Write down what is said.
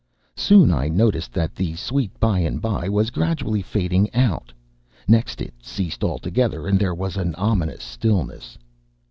Soon I noticed that the "Sweet By and By" was gradually fading out; next it ceased altogether, and there was an ominous stillness.